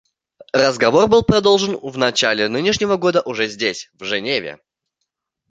Разговор был продолжен в начале нынешнего года уже здесь, в Женеве.